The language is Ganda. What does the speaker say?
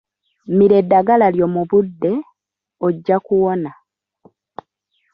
Mira eddagala lyo mu budde, ojja kuwona.